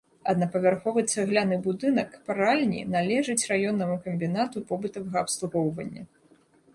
Аднапавярховы цагляны будынак пральні належыць раённаму камбінату побытавага абслугоўвання.